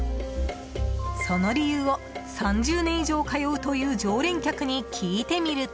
その理由を３０年以上通うという常連客に聞いてみると。